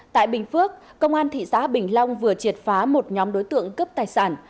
tại bình phước công an thị xã bình long vừa triệt phá một nhóm đối tượng cướp tài sản